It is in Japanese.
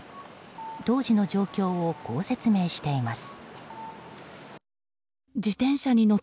当時の状況をこう説明しています。